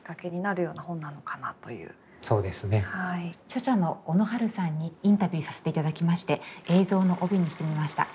著者の小野春さんにインタビューさせていただきまして映像の帯にしてみました。